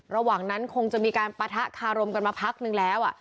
ระหว่างนั้นคงจะมีการปะทะคารมกันมาพักนึงแล้ว